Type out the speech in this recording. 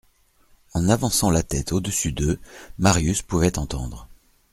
En avançant la tête au-dessus d'eux, Marius pouvait entendre.